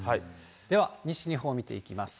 では西日本見ていきます。